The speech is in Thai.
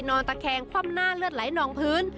นอนตะแคงคว่ำหน้าเลือดไหลนองพื้น